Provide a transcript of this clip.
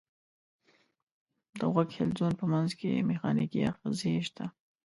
د غوږ حلزون په منځ کې مېخانیکي آخذې شته.